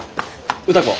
歌子。